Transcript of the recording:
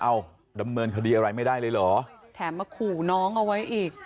ดำเนินคดีอะไรไม่ได้เลยเหรอแถมมาขู่น้องเอาไว้อีก